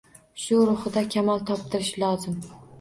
Shu ruhida kamol toptirish lozim.